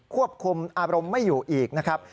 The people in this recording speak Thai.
ควบคุมอารมณ์ไม่อยู่อีกนะครับ